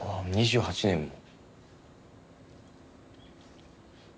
２８年も。